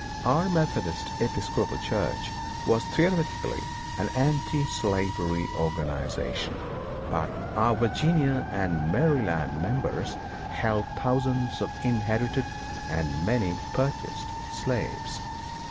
Our Methodist Episcopal Church was theoretically an anti slavery organization; but our Virginia and Maryland members held thousands of inherited and many purchased slaves.